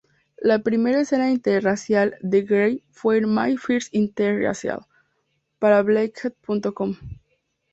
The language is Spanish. La primera escena interracial de Grey fue en "My First Interracial" para Blacked.com.